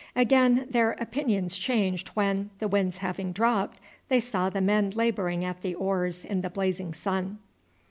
Again their opinions changed when, the wind having dropped, they saw the men labouring at the oars in the blazing sun.